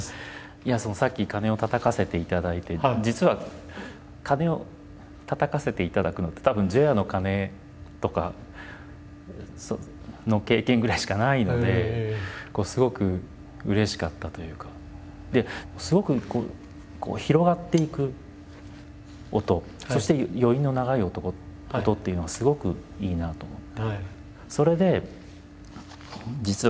さっき鐘をたたかせていただいて実は鐘をたたかせていただくのってたぶん除夜の鐘とかの経験ぐらいしかないのですごくうれしかったというか。ですごく広がっていく音そして余韻の長い音っていうのがすごくいいなと思って。